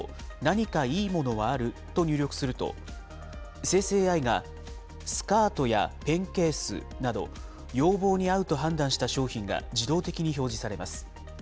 何かいいものはある？と入力すると、生成ＡＩがスカートやペンケースなど、要望に合うと判断した商品が自動的に表示されます。